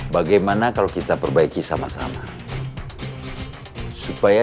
bagaimana kalau kita perbaiki sama sama